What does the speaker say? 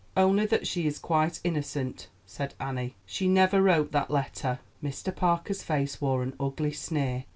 "Only that she is quite innocent," said Annie. "She never wrote that letter." Mr. Parker's face wore an ugly sneer.